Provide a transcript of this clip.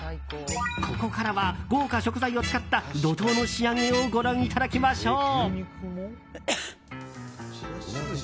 ここからは豪華食材を使った怒涛の仕上げをご覧いただきましょう。